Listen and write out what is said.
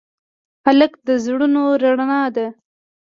هلک د زړونو رڼا ده.